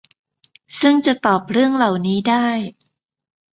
ซึ่งจะตอบเรื่องเหล่านี้ได้